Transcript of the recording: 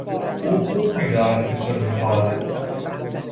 او خوب میداند که چه میخواهد.